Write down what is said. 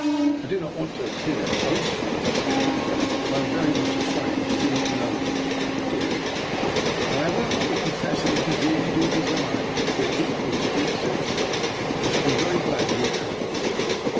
" I do not want to appear boastful," he said, " but I am very much afraid you do not know me yet, my dear Ingleby. However, I will confess that if you really do desire it, and feel equal to the exertion, I shall be very glad of your company."